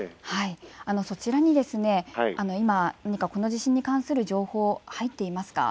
そちらに今、何かこの地震に関する情報、入っていますか。